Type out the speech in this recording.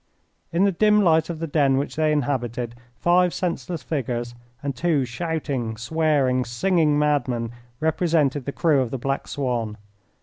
In the dim light of the den which they inhabited, five senseless figures and two shouting, swearing, singing madmen represented the crew of the Black Swan.